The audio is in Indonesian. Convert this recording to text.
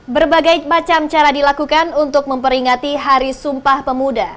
berbagai macam cara dilakukan untuk memperingati hari sumpah pemuda